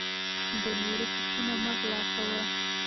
د نورو حقونه مه غلاء کوه